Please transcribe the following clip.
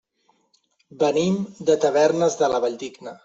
Venim de Tavernes de la Valldigna.